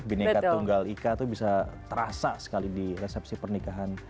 bineka tunggal ika itu bisa terasa sekali di resepsi pernikahan